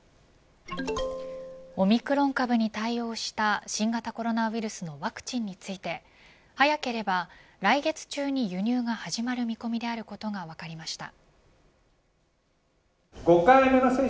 オミクロン株に対応した新型コロナウイルスのワクチンについて早ければ来月中に輸入が始まる見込みであることが分かりました。